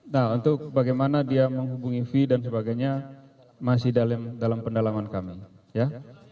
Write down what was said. nah untuk bagaimana dia menghubungi fee dan sebagainya masih dalam pendalaman kami ya